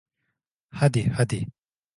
Hadi, hadi.